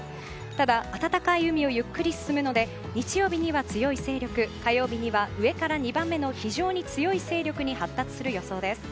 ただ、暖かい海をゆっくり進むので日曜日には強い勢力火曜日には上から２番目の非常に強い勢力に発達する予想です。